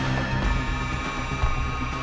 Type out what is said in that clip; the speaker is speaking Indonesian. jangan berisik lu mau dibegal lagi